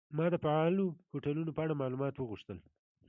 ما د فعالو هوټلونو په اړه معلومات وغوښتل.